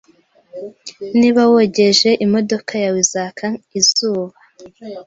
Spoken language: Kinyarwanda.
Niba wogeje, imodoka yawe izaka izuba.